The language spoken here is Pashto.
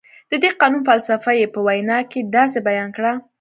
د دې قانون فلسفه یې په وینا کې داسې بیان کړه.